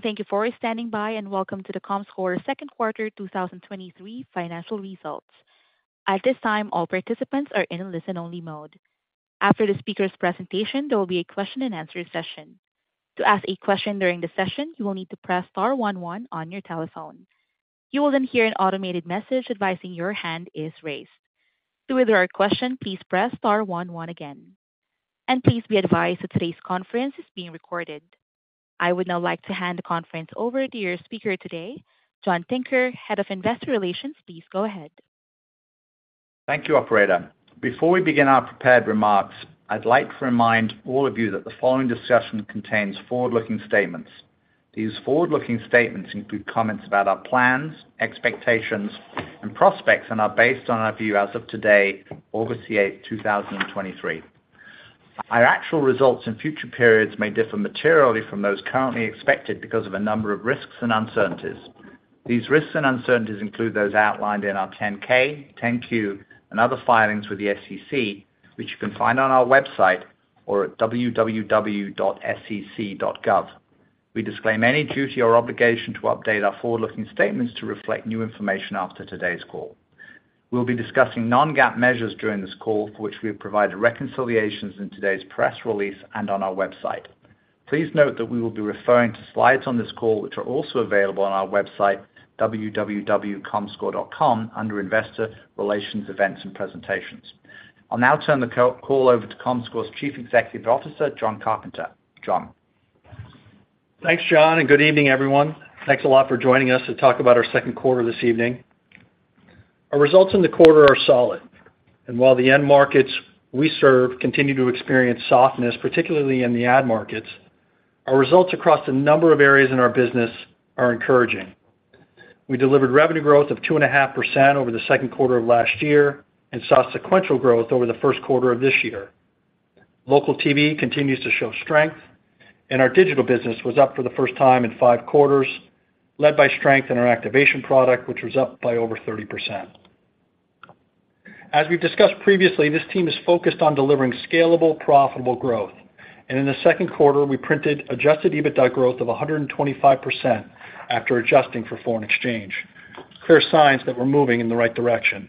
Thank you for standing by, and welcome to the Comscore Q2 2023 Financial Results. At this time, all participants are in a listen-only mode. After the speaker's presentation, there will be a question-and-answer session. To ask a question during the session, you will need to press star one one on your telephone. You will then hear an automated message advising your hand is raised. To withdraw your question, please press star one one again. Please be advised that today's conference is being recorded. I would now like to hand the conference over to your speaker today, John Tinker, Head of Investor Relations. Please go ahead. Thank you, operator. Before we begin our prepared remarks, I'd like to remind all of you that the following discussion contains forward-looking statements. These forward-looking statements include comments about our plans, expectations, and prospects, and are based on our view as of today, August 8, 2023. Our actual results in future periods may differ materially from those currently expected because of a number of risks and uncertainties. These risks and uncertainties include those outlined in our 10-K, 10-Q, and other filings with the SEC, which you can find on our website or at www.sec.gov. We disclaim any duty or obligation to update our forward-looking statements to reflect new information after today's call. We'll be discussing non-GAAP measures during this call, for which we have provided reconciliations in today's press release and on our website. Please note that we will be referring to slides on this call, which are also available on our website, www.comscore.com, under Investor Relations, Events and Presentations. I'll now turn the call over to Comscore's Chief Executive Officer, Jon Carpenter. Jon? Thanks, John. Good evening, everyone. Thanks a lot for joining us to talk about our Q2 this evening. Our results in the quarter are solid, and while the end markets we serve continue to experience softness, particularly in the ad markets, our results across a number of areas in our business are encouraging. We delivered revenue growth of 2.5% over the Q2 of last year and saw sequential growth over the Q1 of this year. Local TV continues to show strength, and our digital business was up for the first time in five quarters, led by strength in our Activation product, which was up by over 30%. As we've discussed previously, this team is focused on delivering scalable, profitable growth, and in the Q2, we printed Adjusted EBITDA growth of 125% after adjusting for foreign exchange. Clear signs that we're moving in the right direction.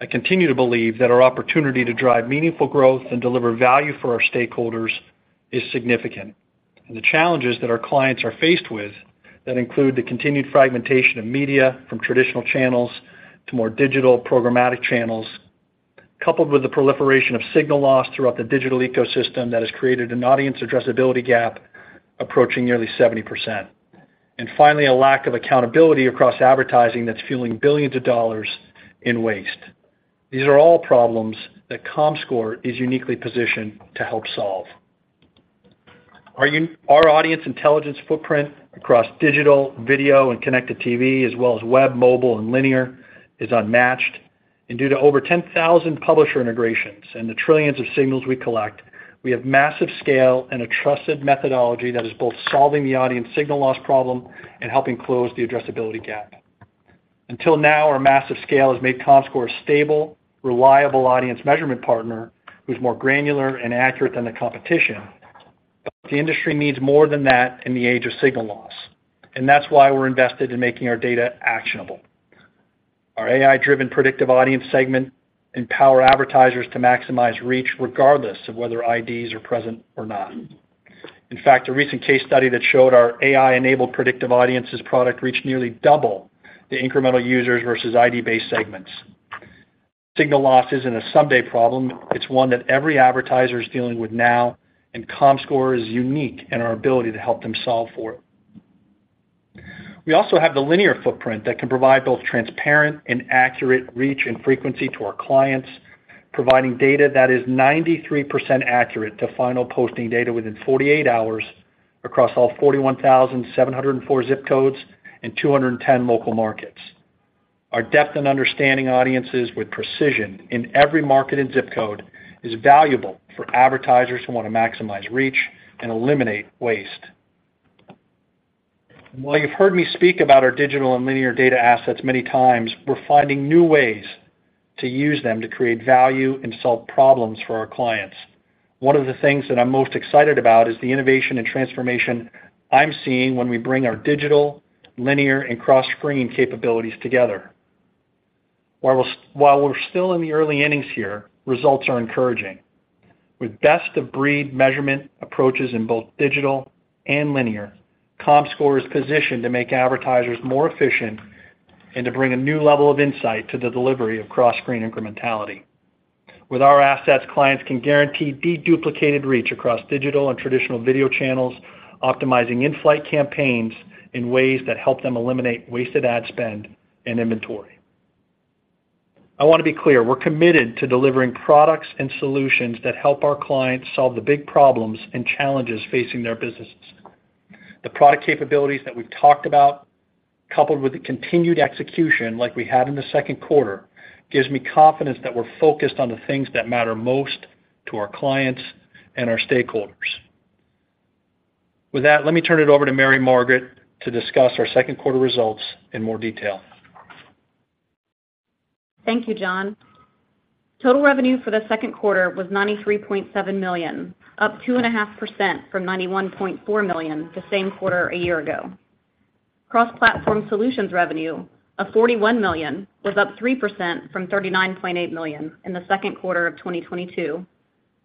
I continue to believe that our opportunity to drive meaningful growth and deliver value for our stakeholders is significant. The challenges that our clients are faced with that include the continued fragmentation of media from traditional channels to more digital programmatic channels, coupled with the proliferation of signal loss throughout the digital ecosystem, that has created an audience addressability gap approaching nearly 70%. Finally, a lack of accountability across advertising that's fueling $ billions in waste. These are all problems that Comscore is uniquely positioned to help solve. Our audience intelligence footprint across digital, video, and Connected TV, as well as web, mobile, and linear, is unmatched. Due to over 10,000 publisher integrations and the trillions of signals we collect, we have massive scale and a trusted methodology that is both solving the audience signal loss problem and helping close the addressability gap. Until now, our massive scale has made Comscore a stable, reliable audience measurement partner who's more granular and accurate than the competition. The industry needs more than that in the age of signal loss, and that's why we're invested in making our data actionable. Our AI-driven predictive audience segment empower advertisers to maximize reach, regardless of whether IDs are present or not. In fact, a recent case study that showed our AI-enabled Predictive Audiences product reached nearly double the incremental users versus ID-based segments. Signal loss isn't a someday problem. It's one that every advertiser is dealing with now, and Comscore is unique in our ability to help them solve for it. We also have the linear footprint that can provide both transparent and accurate reach and frequency to our clients, providing data that is 93% accurate to final posting data within 48 hours across all 41,704 zip codes and 210 local markets. Our depth in understanding audiences with precision in every market and zip code is valuable for advertisers who want to maximize reach and eliminate waste. While you've heard me speak about our digital and linear data assets many times, we're finding new ways to use them to create value and solve problems for our clients. One of the things that I'm most excited about is the innovation and transformation I'm seeing when we bring our digital, linear, and cross-screening capabilities together. While we're still in the early innings here, results are encouraging. With best-of-breed measurement approaches in both digital and linear, Comscore is positioned to make advertisers more efficient and to bring a new level of insight to the delivery of cross-screen incrementality. With our assets, clients can guarantee deduplicated reach across digital and traditional video channels, optimizing in-flight campaigns in ways that help them eliminate wasted ad spend and inventory. I want to be clear, we're committed to delivering products and solutions that help our clients solve the big problems and challenges facing their businesses. The product capabilities that we've talked about, coupled with the continued execution like we had in the Q2, gives me confidence that we're focused on the things that matter most to our clients and our stakeholders. With that, let me turn it over to Mary Margaret to discuss our Q2 results in more detail. Thank you, Jon. Total revenue for the Q2 was $93.7 million, up 2.5% from $91.4 million the same quarter a year ago. Cross Platform Solutions revenue of $41 million was up 3% from $39.8 million in the Q2 of 2022,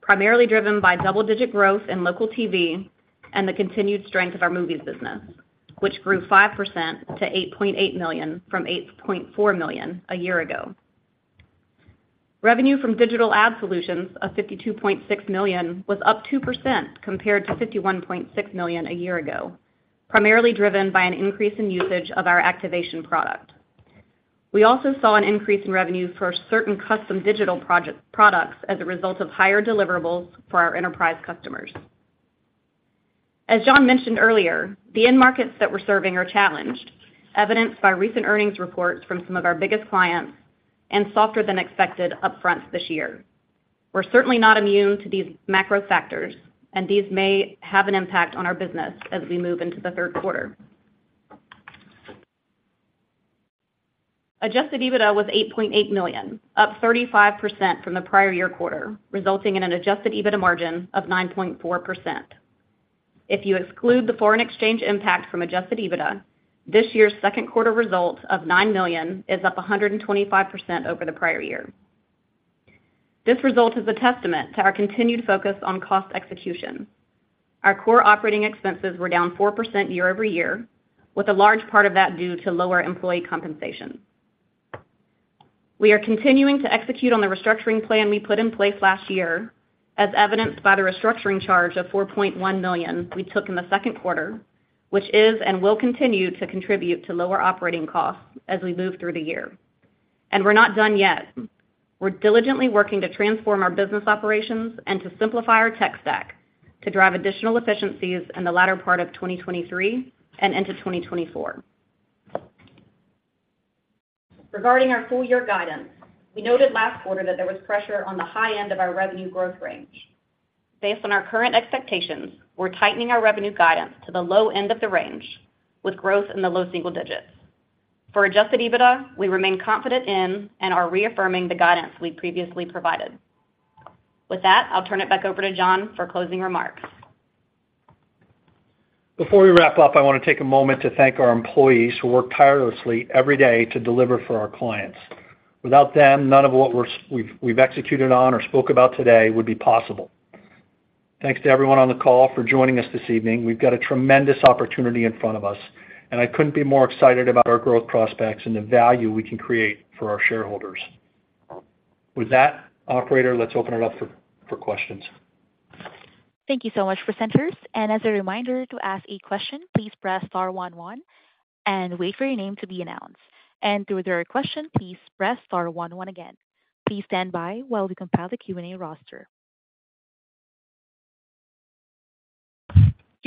primarily driven by double-digit growth in Local TV and the continued strength of our Movies business, which grew 5% to $8.8 million from $8.4 million a year ago. Revenue from Digital Ad Solutions of $52.6 million was up 2% compared to $51.6 million a year ago, primarily driven by an increase in usage of our Activation product. We also saw an increase in revenue for certain custom digital products as a result of higher deliverables for our enterprise customers. As Jon mentioned earlier, the end markets that we're serving are challenged, evidenced by recent earnings reports from some of our biggest clients and softer than expected upfronts this year. We're certainly not immune to these macro factors, and these may have an impact on our business as we move into the Q3. Adjusted EBITDA was $8.8 million, up 35% from the prior-year quarter, resulting in an Adjusted EBITDA margin of 9.4%. If you exclude the foreign exchange impact from Adjusted EBITDA, this year's Q2 result of $9 million is up 125% over the prior-year. This result is a testament to our continued focus on cost execution. Our core operating expenses were down 4% year-over-year, with a large part of that due to lower employee compensation. We are continuing to execute on the restructuring plan we put in place last year, as evidenced by the restructuring charge of $4.1 million we took in the Q2, which is and will continue to contribute to lower operating costs as we move through the year. We're not done yet. We're diligently working to transform our business operations and to simplify our tech stack to drive additional efficiencies in the latter part of 2023 and into 2024. Regarding our full year guidance, we noted last quarter that there was pressure on the high end of our revenue growth range. Based on our current expectations, we're tightening our revenue guidance to the low end of the range, with growth in the low single digits. For Adjusted EBITDA, we remain confident in and are reaffirming the guidance we previously provided. With that, I'll turn it back over to Jon for closing remarks. Before we wrap up, I want to take a moment to thank our employees who work tirelessly every day to deliver for our clients. Without them, none of what we've executed on or spoke about today would be possible. Thanks to everyone on the call for joining us this evening. We've got a tremendous opportunity in front of us, and I couldn't be more excited about our growth prospects and the value we can create for our shareholders. With that, operator, let's open it up for questions. Thank you so much, presenters. As a reminder, to ask a question, please press star one, one and wait for your name to be announced. To withdraw your question, please press star one, one again. Please stand by while we compile the Q&A roster.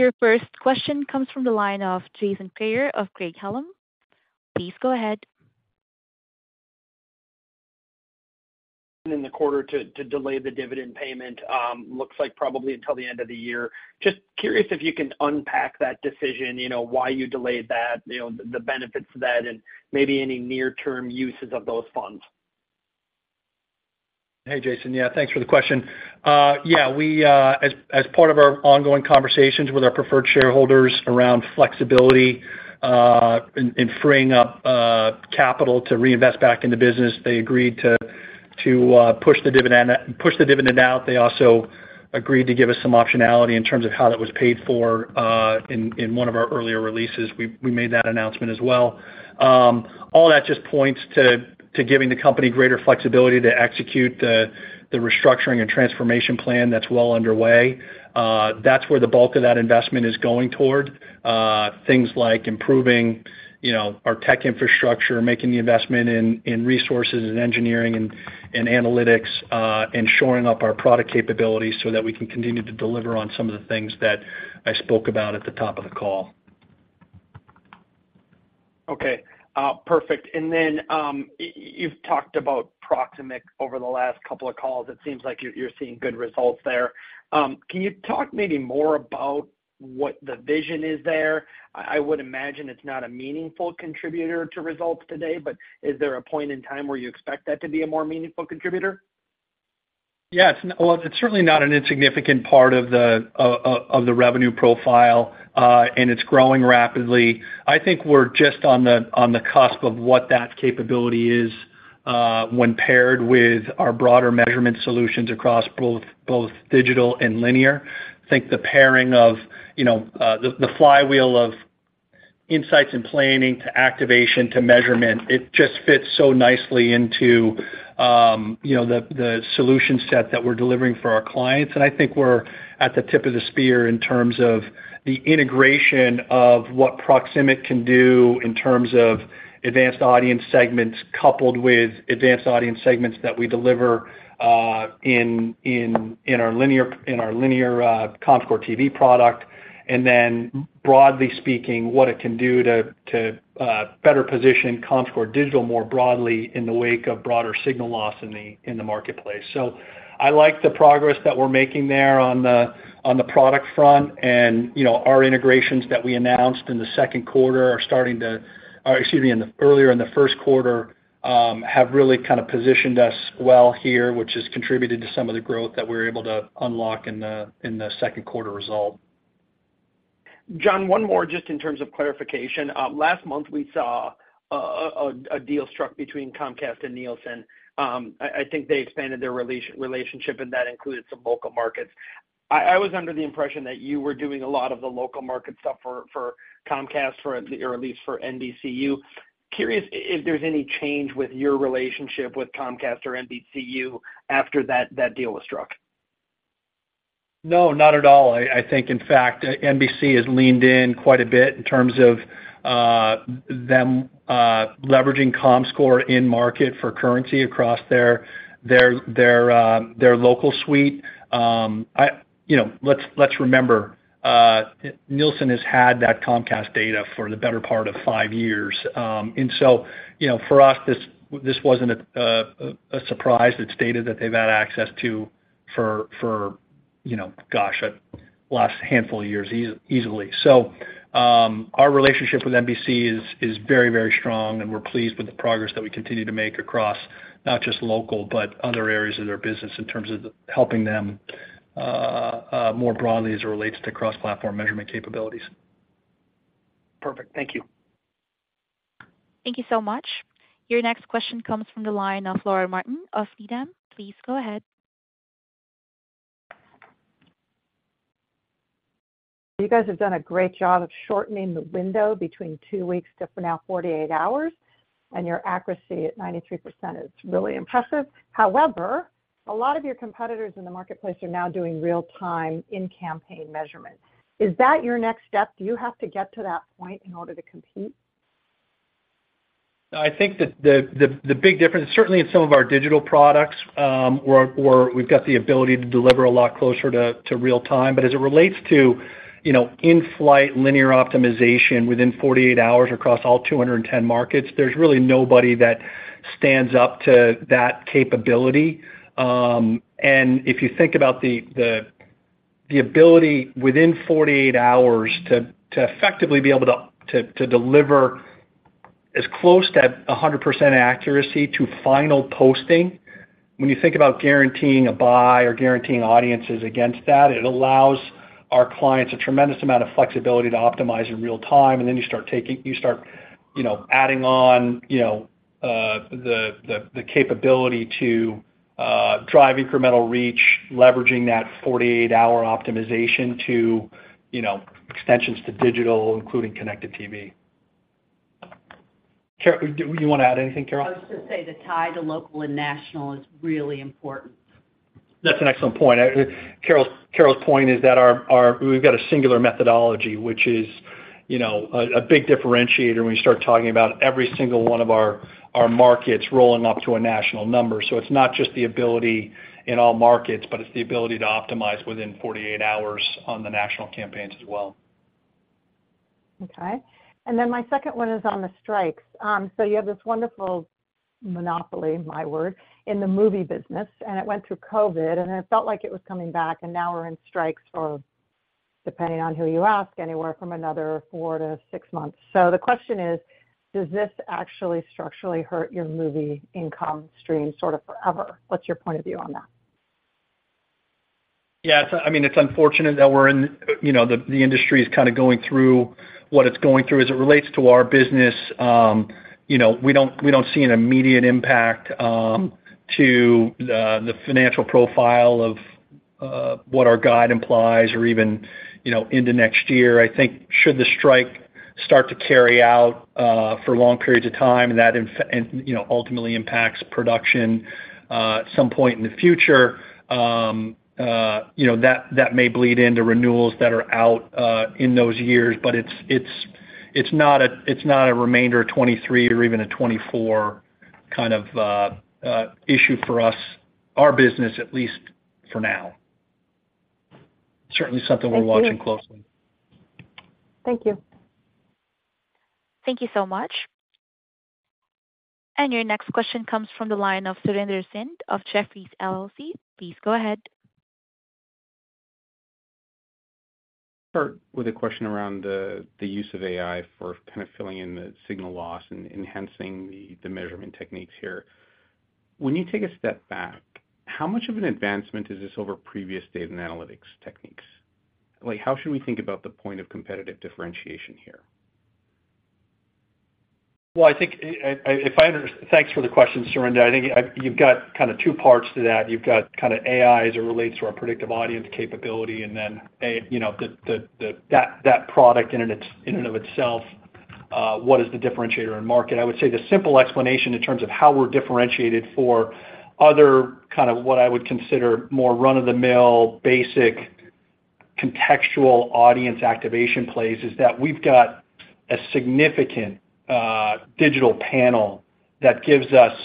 Your first question comes from the line of Jason Kreyer of Craig-Hallum. Please go ahead. In the quarter to, to delay the dividend payment, looks like probably until the end of the year. Just curious if you can unpack that decision, you know, why you delayed that, you know, the, the benefits of that and maybe any near-term uses of those funds? Hey, Jason. Yeah, thanks for the question. Yeah, we, as, as part of our ongoing conversations with our preferred shareholders around flexibility, in, in freeing up, capital to reinvest back in the business, they agreed to, to, push the dividend out, push the dividend out. They also agreed to give us some optionality in terms of how that was paid for, in, in one of our earlier releases, we, we made that announcement as well. All that just points to, to giving the company greater flexibility to execute the, the restructuring and transformation plan that's well underway. That's where the bulk of that investment is going toward, things like improving, you know, our tech infrastructure, making the investment in, in resources and engineering and, and analytics, and shoring up our product capabilities so that we can continue to deliver on some of the things that I spoke about at the top of the call. Okay, perfect. Then, you've talked about Proximic over the last couple of calls. It seems like you're, you're seeing good results there. Can you talk maybe more about what the vision is there? I, I would imagine it's not a meaningful contributor to results today, but is there a point in time where you expect that to be a more meaningful contributor? Yes. Well, it's certainly not an insignificant part of the, of the revenue profile, and it's growing rapidly. I think we're just on the, on the cusp of what that capability is, when paired with our broader measurement solutions across both, both digital and linear. I think the pairing of, you know, the, the flywheel of insights and planning to Activation to measurement, it just fits so nicely into, you know, the, the solution set that we're delivering for our clients. I think we're at the tip of the spear in terms of the integration of what Proximic can do in terms of advanced audience segments, coupled with advanced audience segments that we deliver in our linear, in our linear Comscore TV product, and then broadly speaking, what it can do to better position Comscore Digital more broadly in the wake of broader signal loss in the marketplace. I like the progress that we're making there on the product front. You know, our integrations that we announced in the Q2 are starting to... excuse me, earlier in the Q1, have really kind of positioned us well here, which has contributed to some of the growth that we're able to unlock in the Q2 result. John, one more just in terms of clarification. last month, we saw a deal struck between Comcast and Nielsen. I think they expanded their relationship, and that included some local markets. I was under the impression that you were doing a lot of the local market stuff for Comcast, or at least for NBCUniversal. Curious if there's any change with your relationship with Comcast or NBCUniversal after that, that deal was struck? No, not at all. I, I think, in fact, NBC has leaned in quite a bit in terms of them leveraging Comscore in market for currency across their, their, their local suite. you know, let's, let's remember, Nielsen has had that Comcast data for the better part of five years. you know, for us, this, this wasn't a surprise. It's data that they've had access to for, for, you know, gosh, a last handful of years easily. Our relationship with NBC is, is very, very strong, and we're pleased with the progress that we continue to make across, not just local, but other areas of their business in terms of the helping them more broadly as it relates to cross-platform measurement capabilities. Perfect. Thank you. Thank you so much. Your next question comes from the line of Laura Martin of Needham. Please go ahead. You guys have done a great job of shortening the window between two weeks to, for now, 48 hours. Your accuracy at 93% is really impressive. However, a lot of your competitors in the marketplace are now doing real time in-campaign measurement. Is that your next step? Do you have to get to that point in order to compete? I think that the, the, the big difference, certainly in some of our digital products, where, where we've got the ability to deliver a lot closer to, to real time. As it relates to, you know, in-flight linear optimization within 48 hours across all 210 markets, there's really nobody that stands up to that capability. If you think about the, the, the ability within 48 hours to, to effectively be able to, to, to deliver as close to 100% accuracy to final posting, when you think about guaranteeing a buy or guaranteeing audiences against that, it allows our clients a tremendous amount of flexibility to optimize in real time. Then you start, you know, adding on, you know, the, the, the capability to drive incremental reach, leveraging that 48-hour optimization to, you know, extensions to digital, including Connected TV. Carol, do you wanna add anything, Carol? I was just gonna say the tie to local and national is really important. That's an excellent point. I, Carol's, Carol's point is that our, our we've got a singular methodology, which is, you know, a big differentiator when you start talking about every single one of our markets rolling up to a national number. It's not just the ability in all markets, but it's the ability to optimize within 48 hours on the national campaigns as well. Okay. My second one is on the strikes. You have this wonderful monopoly, my word, in the movie business, and it went through COVID, and it felt like it was coming back, and now we're in strikes for, depending on who you ask, anywhere from another 4 to 6 months. The question is: Does this actually structurally hurt your movie income stream sort of forever? What's your point of view on that? Yeah, so I mean, it's unfortunate that we're in-- you know, the, the industry is kind of going through what it's going through. As it relates to our business, you know, we don't, we don't see an immediate impact to the, the financial profile of what our guide implies or even, you know, into next year. I think should the strike start to carry out for long periods of time, and that infec- and, you know, ultimately impacts production at some point in the future, you know, that, that may bleed into renewals that are out in those years. It's, it's, it's not a, it's not a remainder of 2023 or even a 2024 kind of issue for us, our business, at least for now. Certainly something we're watching closely. Thank you. Thank you. Thank you so much. Your next question comes from the line of Surinder Thind of Jefferies LLC. Please go ahead. Start with a question around the use of AI for kind of filling in the signal loss and enhancing the measurement techniques here. When you take a step back, how much of an advancement is this over previous data and analytics techniques? Like, how should we think about the point of competitive differentiation here? Well, I think thanks for the question, Surinder. You've got kind of two parts to that. You've got kind of AI as it relates to our predictive audience capability, and then, you know, product in and of itself, what is the differentiator in market? I would say the simple explanation in terms of how we're differentiated for other, kind of, what I would consider more run-of-the-mill, basic, contextual audience activation plays, is that we've got a significant digital panel that gives us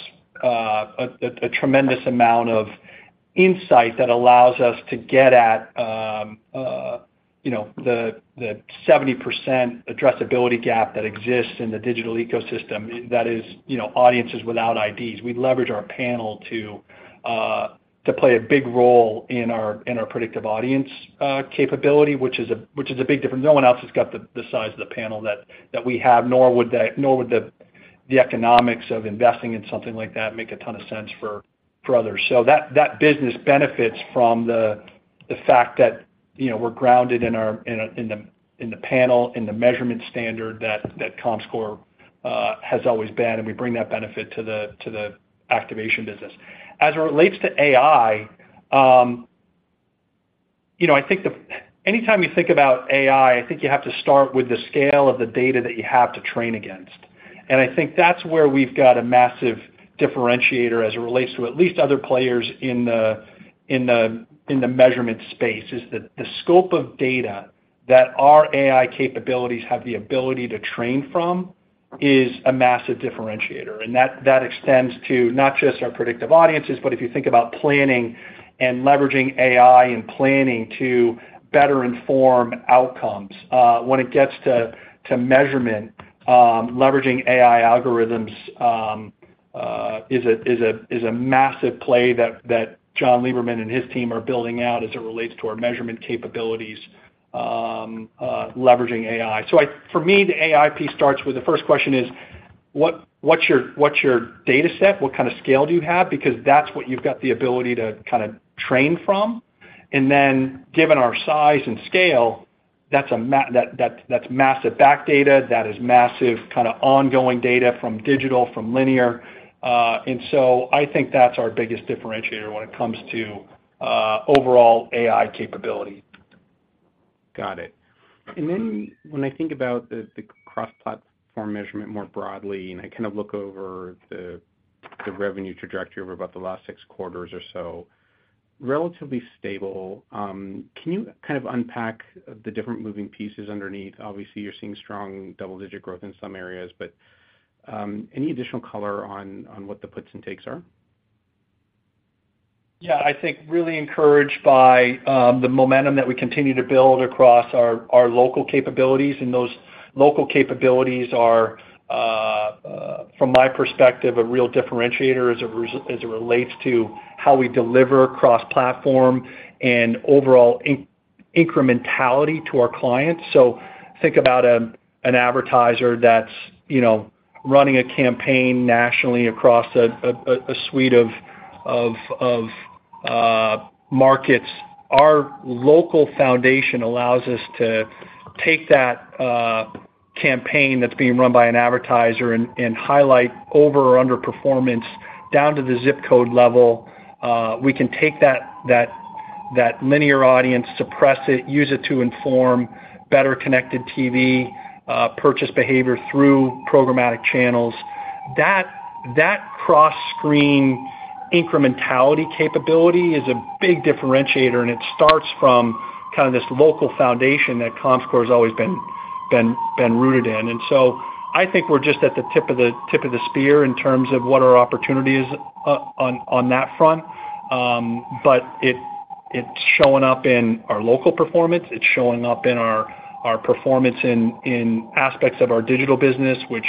a tremendous amount of insight that allows us to get at, you know, 70% addressability gap that exists in the digital ecosystem. That is, you know, audiences without IDs. We leverage our panel to play a big role in our predictive audience capability, which is a big difference. No one else has got the size of the panel that we have, nor would the economics of investing in something like that make a ton of sense for others. That, that business benefits from the fact that, you know, we're grounded in our in the in the panel, in the measurement standard that Comscore has always been, and we bring that benefit to the activation business. As it relates to AI, you know, I think anytime you think about AI, I think you have to start with the scale of the data that you have to train against. I think that's where we've got a massive differentiator as it relates to at least other players in the measurement space, is that the scope of data that our AI capabilities have the ability to train from is a massive differentiator. That, that extends to not just our Predictive Audiences, but if you think about planning and leveraging AI and planning to better inform outcomes, when it gets to measurement, leveraging AI algorithms is a massive play that Jon Lieberman and his team are building out as it relates to our measurement capabilities, leveraging AI. For me, the AI piece starts with the first question is, what's your data set? What kind of scale do you have? Because that's what you've got the ability to kind of train from. Given our size and scale, that's massive back data, that is massive kind of ongoing data from digital, from linear. I think that's our biggest differentiator when it comes to overall AI capability. Got it. Then when I think about the cross-platform measurement more broadly, and I kind of look over the revenue trajectory over about the last six quarters or so, relatively stable. Can you kind of unpack the different moving pieces underneath? Obviously, you're seeing strong double-digit growth in some areas, but any additional color on what the puts and takes are? Yeah, I think really encouraged by the momentum that we continue to build across our local capabilities. Those local capabilities are, from my perspective, a real differentiator as it relates to how we deliver cross-platform and overall incrementality to our clients. Think about an advertiser that's, you know, running a campaign nationally across a suite of markets. Our local foundation allows us to take that campaign that's being run by an advertiser and highlight over or underperformance down to the zip code level. We can take that linear audience, suppress it, use it to inform better Connected TV purchase behavior through programmatic channels. That cross-screen incrementality capability is a big differentiator, and it starts from kind of this local foundation that Comscore has always been rooted in. So I think we're just at the tip of the spear in terms of what our opportunity is on, on that front. It, it's showing up in our local performance, it's showing up in our, our performance in, in aspects of our digital business, which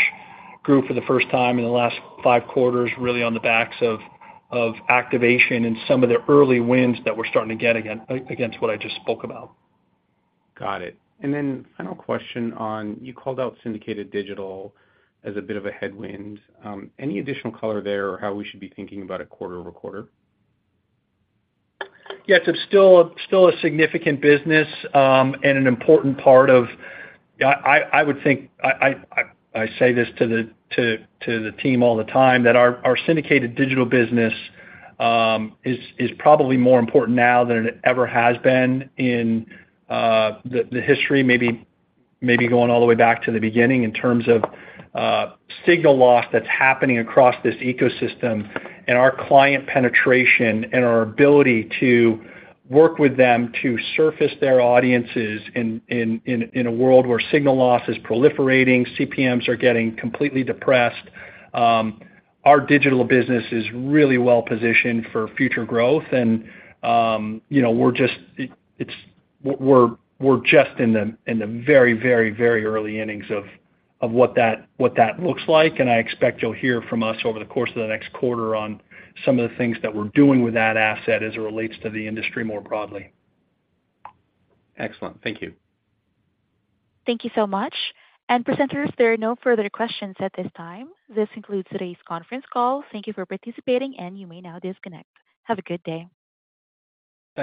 grew for the first time in the last five quarters, really on the backs of, of Activation and some of the early wins that we're starting to get against what I just spoke about. Got it. Final question on... You called out syndicated digital as a bit of a headwind. Any additional color there or how we should be thinking about it quarter-over-quarter? Yes, it's still, still a significant business, and an important part of... I, I, I would think, I, I, I say this to the team all the time, that our syndicated digital business is probably more important now than it ever has been in the history, maybe, maybe going all the way back to the beginning in terms of signal loss that's happening across this ecosystem and our client penetration and our ability to work with them to surface their audiences in a world where signal loss is proliferating, CPMs are getting completely depressed. Our digital business is really well positioned for future growth, and, you know, we're just in the very, very, very early innings of what that, what that looks like. I expect you'll hear from us over the course of the next quarter on some of the things that we're doing with that asset as it relates to the industry more broadly. Excellent. Thank you. Thank you so much. Presenters, there are no further questions at this time. This concludes today's conference call. Thank you for participating, and you may now disconnect. Have a good day.